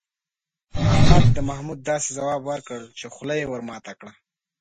احمد د محمود داسې ځواب وکړ، چې خوله یې ور ماته کړه.